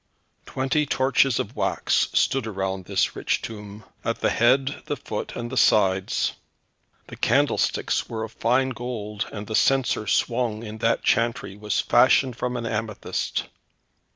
Twenty torches of wax stood around this rich tomb, at the head, the foot, and the sides. The candlesticks were of fine gold, and the censer swung in that chantry was fashioned from an amethyst.